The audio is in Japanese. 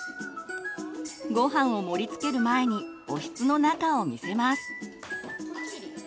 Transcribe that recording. ごはんを盛りつける前におひつの中を見せます。